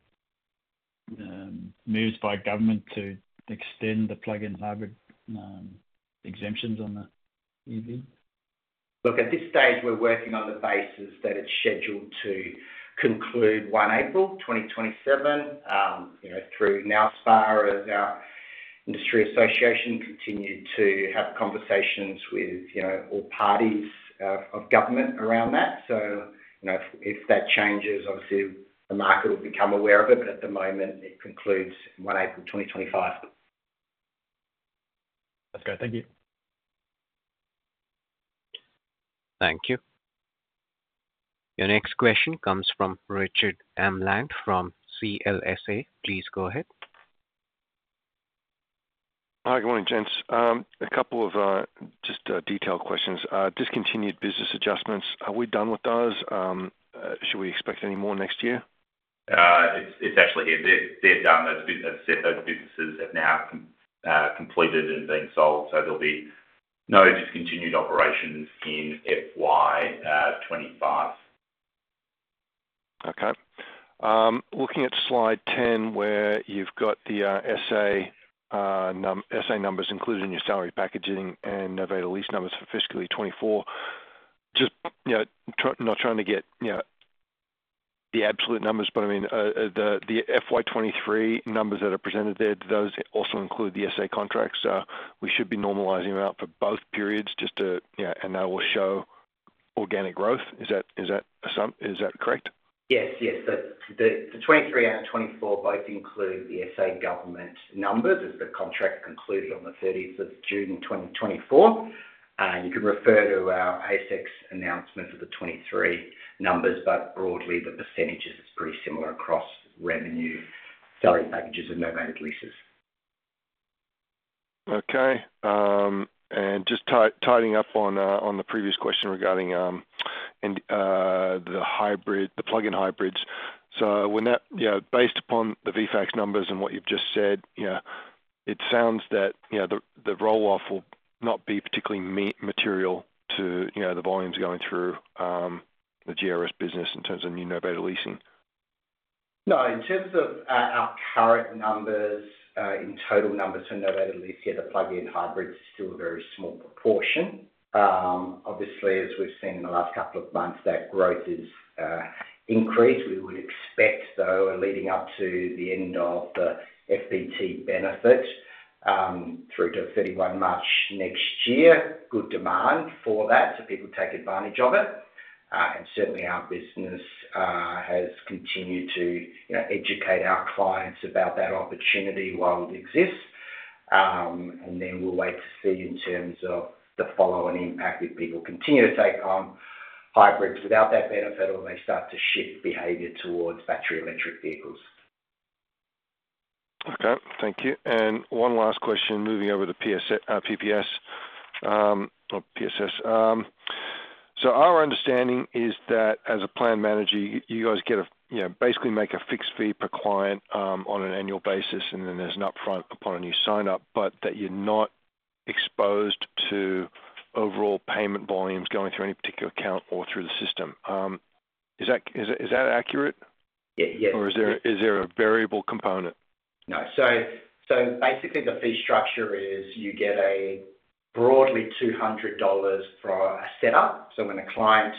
moves by government to extend the plug-in hybrid exemptions on the EV? Look, at this stage, we're working on the basis that it's scheduled to conclude 1 April 2027. You know, to now, as far as our industry association continued to have conversations with, you know, all parties of government around that. So, you know, if that changes, obviously the market will become aware of it, but at the moment it concludes 1 April 2025. That's great. Thank you. Thank you. Your next question comes from Richard Amland from CLSA. Please go ahead. Hi, good morning, gents. A couple of just detailed questions. Discontinued business adjustments, are we done with those? Should we expect any more next year? It's actually, they're done. Those businesses have now completed and been sold, so there'll be no discontinued operations in FY 2025. Okay. Looking at slide ten, where you've got the SA numbers included in your salary packaging and novated lease numbers for FY 2024, just, you know, not trying to get, you know, the absolute numbers, but I mean, the FY 2023 numbers that are presented there, do those also include the SA contracts? We should be normalizing them out for both periods just to, you know, and that will show organic growth. Is that correct? Yes, yes. The 2023 and 2024 both include the SA government numbers, as the contract concluded on the 30th of June in 2024. You can refer to our ASX announcement for the 2023 numbers, but broadly, the percentages is pretty similar across revenue, salary packages, and novated leases. Okay, and just tidying up on the previous question regarding the hybrid, the plug-in hybrids. So when that. You know, based upon the VFACTS numbers and what you've just said, you know, it sounds that the roll-off will not be particularly material to the volumes going through the GRS business in terms of new novated leasing. No, in terms of our current numbers, in total numbers to novated lease, yeah, the plug-in hybrid is still a very small proportion. Obviously, as we've seen in the last couple of months, that growth is increased. We would expect, though, leading up to the end of the FBT benefit, through to 31 March next year, good demand for that so people take advantage of it, and certainly our business has continued to, you know, educate our clients about that opportunity while it exists, and then we'll wait to see in terms of the follow-on impact, if people continue to take on hybrids without that benefit or they start to shift behavior towards battery electric vehicles.... Okay, thank you, and one last question, moving over to PSS. So our understanding is that as a plan manager, you guys get a, you know, basically make a fixed fee per client, on an annual basis, and then there's an upfront upon a new sign-up, but that you're not exposed to overall payment volumes going through any particular account or through the system. Is that accurate? Yeah. Yes. Or is there, is there a variable component? No. So, so basically, the fee structure is you get a broadly 200 dollars for a setup. So when a client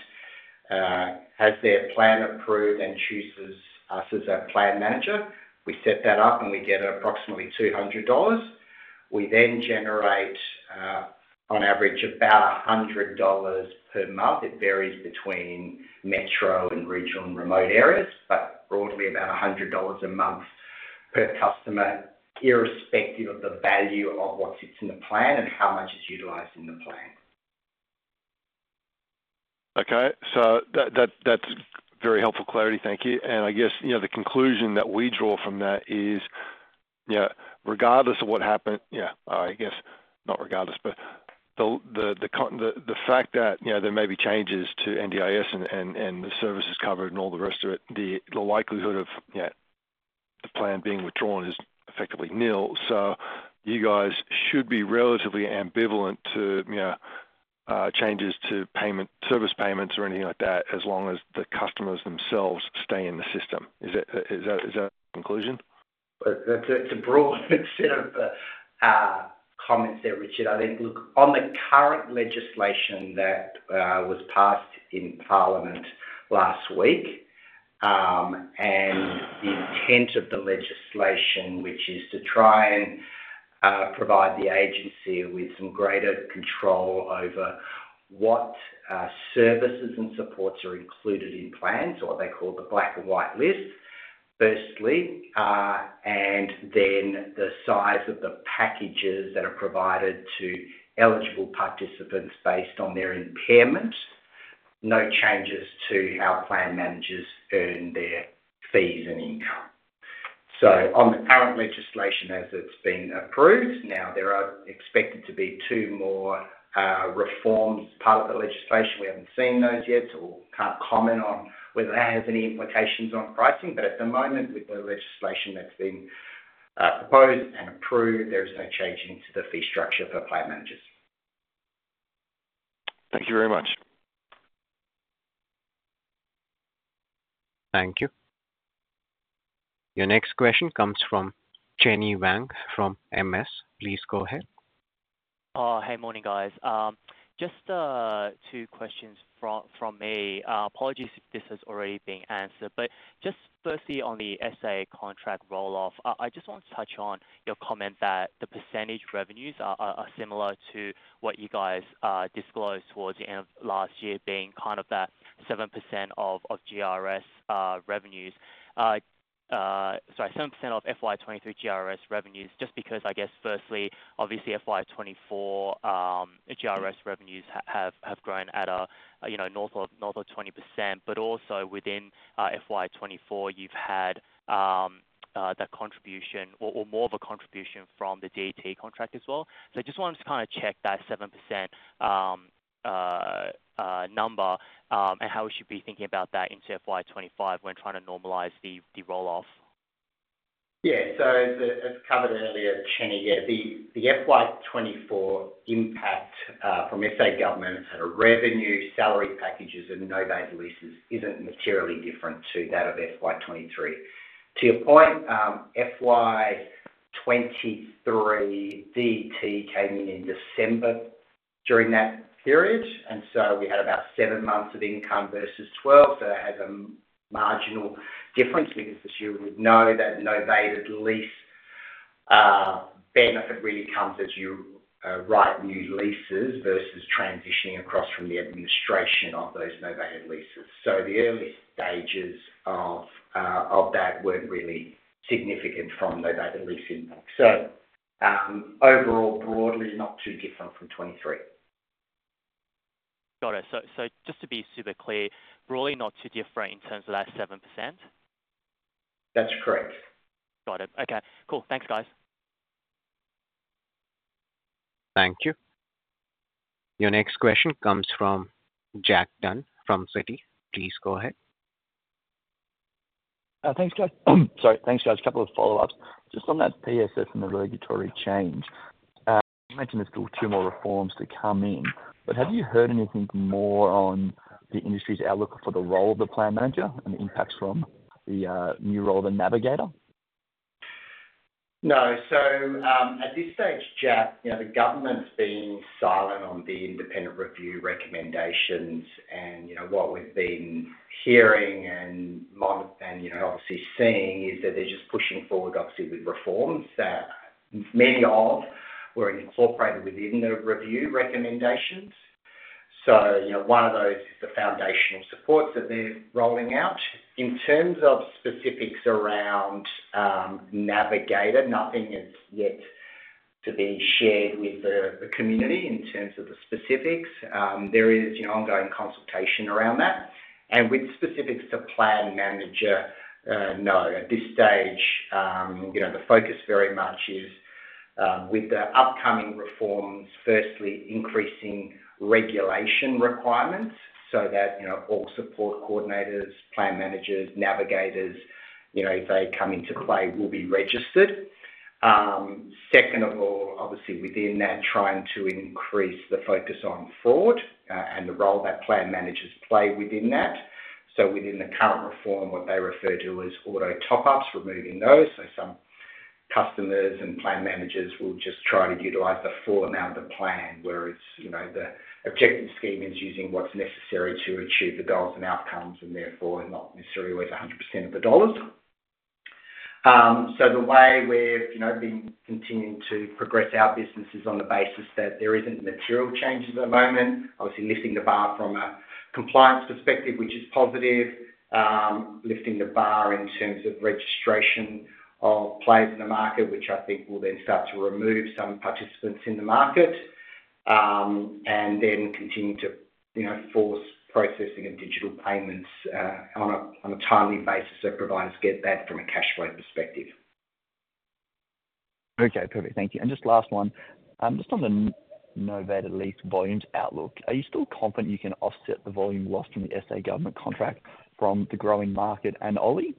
has their plan approved and chooses us as a plan manager, we set that up, and we get approximately 200 dollars. We then generate, on average about 100 dollars per month. It varies between metro and regional and remote areas, but broadly about 100 dollars a month per customer, irrespective of the value of what sits in the plan and how much is utilized in the plan. Okay. So that's very helpful clarity. Thank you. And I guess, you know, the conclusion that we draw from that is, you know, regardless of what happened. Yeah, I guess not regardless, but the fact that, you know, there may be changes to NDIS and the services covered and all the rest of it, the likelihood of, you know, the plan being withdrawn is effectively nil. So you guys should be relatively ambivalent to, you know, changes to payment, service payments or anything like that, as long as the customers themselves stay in the system. Is that the conclusion? That's a broad set of comments there, Richard. I think, look, on the current legislation that was passed in Parliament last week, and the intent of the legislation, which is to try and provide the Agency with some greater control over what services and supports are included in plans, or what they call the black and white list, firstly, and then the size of the packages that are provided to eligible participants based on their impairment, no changes to how plan managers earn their fees and income. On the current legislation, as it's been approved, now there are expected to be two more reforms as part of the legislation. We haven't seen those yet or can't comment on whether that has any implications on pricing, but at the moment, with the legislation that's been proposed and approved, there is no change into the fee structure for plan managers. Thank you very much. Thank you. Your next question comes from Chenny Wang from MS. Please go ahead. Hey, morning, guys. Just two questions from me. Apologies if this has already been answered, but just firstly on the SA contract roll-off, I just want to touch on your comment that the percentage revenues are similar to what you guys disclosed towards the end of last year, being kind of that 7% of GRS revenues. Sorry, 7% of FY 2023 GRS revenues, just because I guess firstly, obviously FY 2024 GRS revenues have grown at a, you know, north of 20%, but also within FY 2024, you've had the contribution or more of a contribution from the DET contract as well. So I just wanted to kind of check that 7% number, and how we should be thinking about that into FY 2025 when trying to normalize the roll-off. Yeah. So as covered earlier, Chenny, yeah, the FY 2024 impact from SA government on revenue, salary packages, and novated leases isn't materially different to that of FY 2023. To your point, FY 2023 DET came in in December during that period, and so we had about seven months of income versus twelve. So that had a marginal difference because as you would know, that novated lease benefit really comes as you write new leases versus transitioning across from the administration of those novated leases. So the early stages of that weren't really significant from novated lease impact. So overall, broadly not too different from 2023. Got it. So, so just to be super clear, broadly not too different in terms of that 7%? That's correct. Got it. Okay, cool. Thanks, guys. Thank you. Your next question comes from Jack Dunn from Citi. Please go ahead. Thanks, guys. Sorry. Thanks, guys. A couple of follow-ups. Just on that PSS and the regulatory change, you mentioned there's still two more reforms to come in, but have you heard anything more on the industry's outlook for the role of the plan manager and the impacts from the new role of the navigator? No. So, at this stage, Jack, you know, the government's been silent on the Independent Review recommendations and, you know, what we've been hearing and, you know, obviously seeing is that they're just pushing forward obviously with reforms that many of were incorporated within the review recommendations. So, you know, one of those is the foundational supports that they're rolling out. In terms of specifics around navigator, nothing is yet to be shared with the community in terms of the specifics. There is, you know, ongoing consultation around that. And with specifics to plan manager, no, at this stage, you know, the focus very much is with the upcoming reforms, firstly, increasing regulation requirements so that, you know, all support coordinators, plan managers, navigators, you know, if they come into play, will be registered. Second of all, obviously within that, trying to increase the focus on fraud and the role that plan managers play within that. So within the current reform, what they refer to as auto top-ups, removing those. So some customers and plan managers will just try to utilize the full amount of the plan, whereas, you know, the objective scheme is using what's necessary to achieve the goals and outcomes, and therefore not necessarily worth 100% of the dollars. So the way we've, you know, been continuing to progress our business is on the basis that there isn't material change at the moment. Obviously, lifting the bar from a compliance perspective, which is positive. Lifting the bar in terms of registration of players in the market, which I think will then start to remove some participants in the market. And then continuing to, you know, force processing of digital payments, on a timely basis, so providers get that from a cash flow perspective. Okay, perfect. Thank you. And just last one, just on the novated lease volumes outlook, are you still confident you can offset the volume lost in the SA government contract from the growing market and Oly?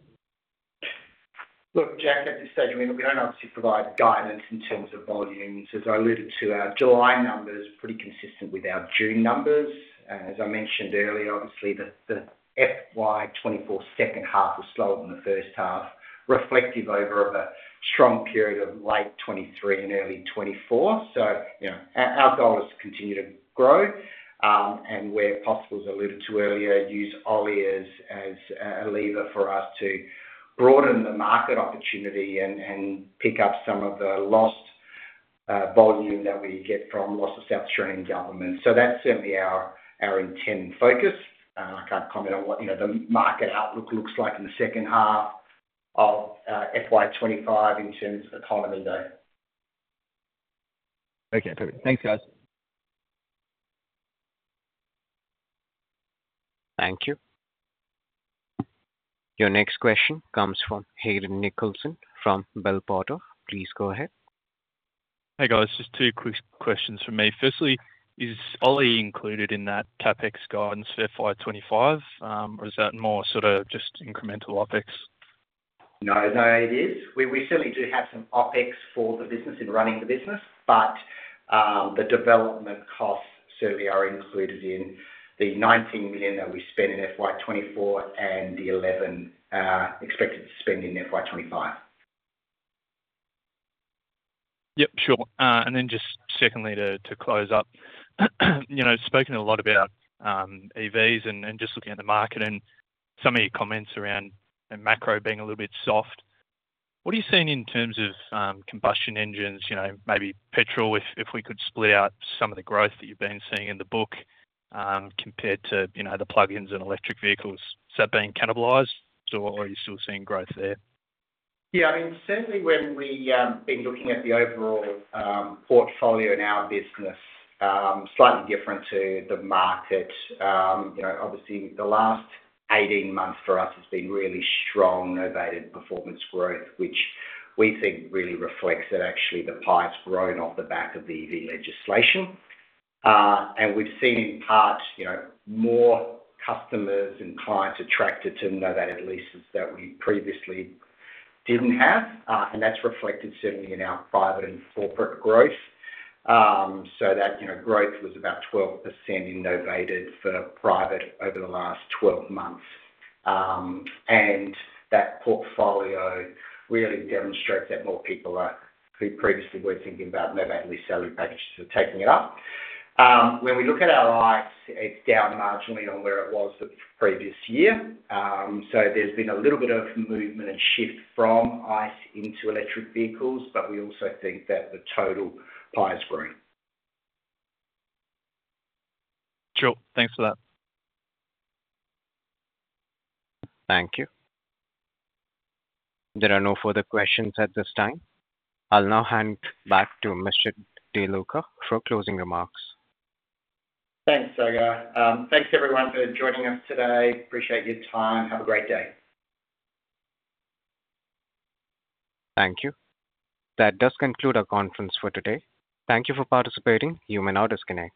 Look, Jack, at this stage, I mean, we don't obviously provide guidance in terms of volumes. As I alluded to, our July numbers are pretty consistent with our June numbers. And as I mentioned earlier, obviously, the FY 2024 second half was slower than the first half, reflective of a strong period of late 2023 and early 2024. So, you know, our goal is to continue to grow, and where possible, as I alluded to earlier, use Oly as a lever for us to broaden the market opportunity and pick up some of the lost volume that we get from loss of South Australian Government. So that's certainly our intent and focus. I can't comment on what, you know, the market outlook looks like in the second half of FY 2025 in terms of economy, though. Okay, perfect. Thanks, guys. Thank you. Your next question comes from Hayden Nicholson from Bell Potter. Please go ahead. Hey, guys. Just two quick questions from me. Firstly, is Oly included in that CapEx guidance for FY 2025, or is that more sort of just incremental OpEx? No, no, it is. We certainly do have some OpEx for the business, in running the business, but the development costs certainly are included in the 19 million that we spent in FY 2024 and the 11 million expected to spend in FY 2025. Yep, sure. And then just secondly, to close up, you know, spoken a lot about EVs and just looking at the market and some of your comments around the macro being a little bit soft. What are you seeing in terms of combustion engines, you know, maybe petrol, if we could split out some of the growth that you've been seeing in the book, compared to, you know, the plug-ins and electric vehicles? Is that being cannibalized or are you still seeing growth there? Yeah, I mean, certainly when we been looking at the overall portfolio in our business, slightly different to the market, you know, obviously the last 18 months for us has been really strong novated performance growth, which we think really reflects that actually the pie has grown off the back of the EV legislation. And we've seen in part, you know, more customers and clients attracted to novated leases that we previously didn't have, and that's reflected certainly in our private and corporate growth. So that, you know, growth was about 12% in novated for private over the last 12 months. And that portfolio really demonstrates that more people are, who previously were thinking about novated lease salary packages, are taking it up. When we look at our ICE, it's down marginally on where it was the previous year. So, there's been a little bit of movement and shift from ICE into electric vehicles, but we also think that the total pie is growing. Sure. Thanks for that. Thank you. There are no further questions at this time. I'll now hand back to Mr. De Luca for closing remarks. Thanks, Sagar. Thanks, everyone, for joining us today. Appreciate your time. Have a great day. Thank you. That does conclude our conference for today. Thank you for participating. You may now disconnect.